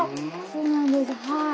そうなんですはい。